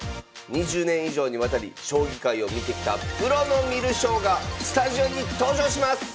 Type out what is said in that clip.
２０年以上にわたり将棋界を見てきたプロの観る将がスタジオに登場します！